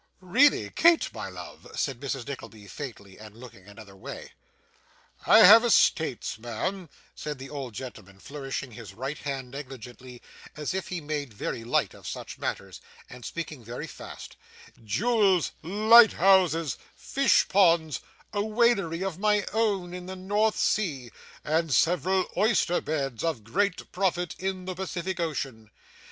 'Really, Kate, my love!' said Mrs. Nickleby faintly, and looking another way. 'I have estates, ma'am,' said the old gentleman, flourishing his right hand negligently, as if he made very light of such matters, and speaking very fast; 'jewels, lighthouses, fish ponds, a whalery of my own in the North Sea, and several oyster beds of great profit in the Pacific Ocean.